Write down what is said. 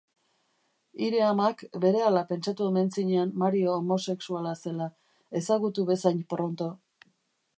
Hire amak berehala pentsatu omen zinan Mario homosexuala zela, ezagutu bezain pronto.